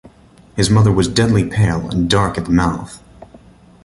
His mother was deadly pale and dark at the mouth.